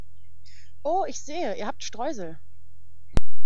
Oh, ich sehe, ihr habt Streusel!